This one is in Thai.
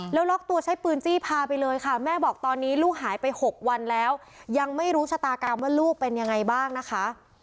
แล้วล็อกตัวใช้ปืนจี้พาไปเลยค่ะแม่บอกตอนนี้ลูกหายไป๖วันแล้วยังไม่รู้ชะตากรรมว่าลูกเป็นยังไงบ้างนะคะ